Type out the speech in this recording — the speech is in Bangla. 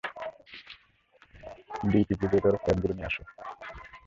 ডিফিব্রিলেটর প্যাডগুলো নিয়ে আসো।